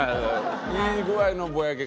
いい具合のぼやけ方で。